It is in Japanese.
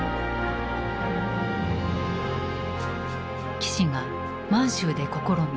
岸が満州で試み